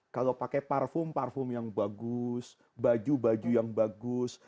kalau pakai parfum parfum yang bagus baju baju yang bagus